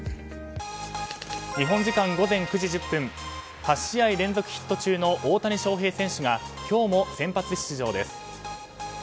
日本時間午前９時１０分８試合連続ヒット中の大谷翔平選手が今日も先発出場です。